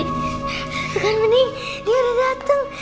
bukan bening dia udah dateng